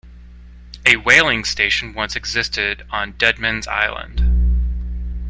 A whaling station once existed on Deadman's Island.